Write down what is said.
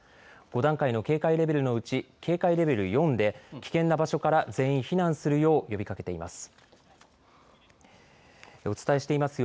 ５段階の警戒レベルのうち警戒レベル４で危険な場所から全員避難するよう呼びかけています。